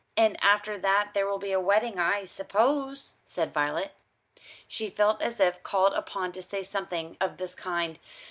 "And after that there will be a wedding, I suppose?" said Violet. She felt as if called upon to say something of this kind.